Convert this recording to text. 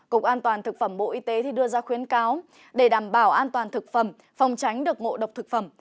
cục an toàn thực phẩm bộ y tế đưa ra khuyến cáo để đảm bảo an toàn thực phẩm phòng tránh được ngộ độc thực phẩm